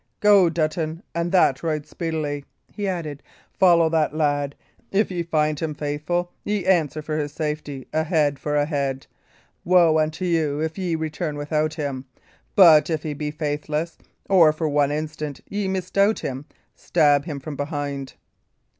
"Go, Dutton, and that right speedily," he added. "Follow that lad. If ye find him faithful, ye answer for his safety, a head for a head. Woe unto you, if ye return without him! But if he be faithless or, for one instant, ye misdoubt him stab him from behind."